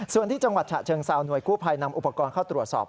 ส่วนที่จังหวัดฉะเชิงเซาหน่วยกู้ภัยนำอุปกรณ์เข้าตรวจสอบ